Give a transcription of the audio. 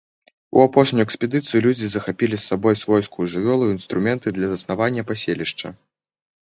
У апошнюю экспедыцыю людзі захапілі з сабой свойскую жывёлу і інструменты для заснавання паселішча.